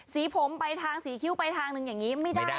สีผมไปทางสีคิ้วไปทางหนึ่งอย่างนี้ไม่ได้